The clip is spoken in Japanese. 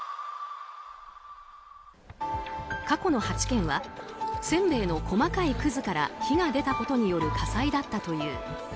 過去の８件はせんべいの細かいくずから火が出たことによる火災だったという。